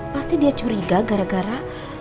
pasti dia curiga gara gara